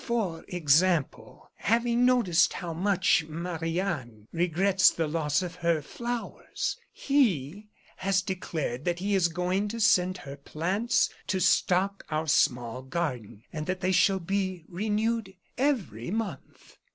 For example, having noticed how much Marie Anne regrets the loss of her flowers, he has declared that he is going to send her plants to stock our small garden, and that they shall be renewed every month."